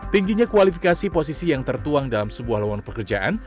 tingginya kualifikasi posisi yang tertuang dalam sebuah lawan pekerjaan